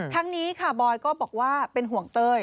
ทั้งนี้ค่ะบอยก็บอกว่าเป็นห่วงเต้ย